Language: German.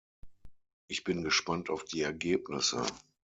Ich bin gespannt auf die Ergebnisse.